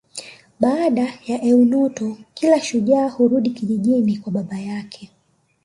Baada ya eunoto kila shujaa hurudi kijijini kwa baba yake